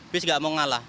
bis gak mau ngalah